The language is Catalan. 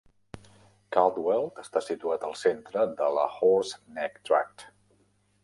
Caldwell està situat al centre de la Horse Neck Tract.